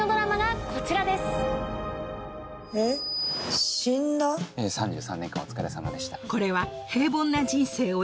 ええ３３年間お疲れさまでした。